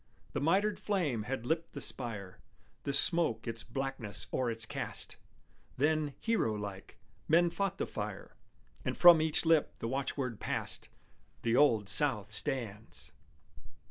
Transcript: The mitred flame had lipped the spire, The smoke its blackness o'er it cast; Then, hero like, men fought the fire, And from each lip the watchword passed, "The Old South stands!"